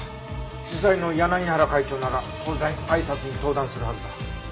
主催の柳原会長なら当然挨拶に登壇するはずだ。